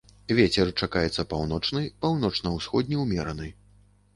Вецер чакаецца паўночны, паўночна-ўсходні ўмераны.